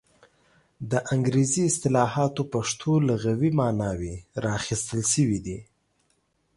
د انګریزي اصطلاحاتو پښتو لغوي ماناوې را اخیستل شوې دي.